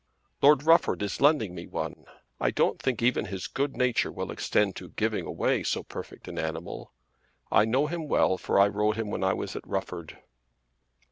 "Lord Rufford is lending me one. I don't think even his good nature will extend to giving away so perfect an animal. I know him well for I rode him when I was at Rufford."